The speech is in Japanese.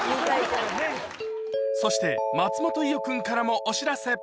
そして、松本伊代君からもお知らせ。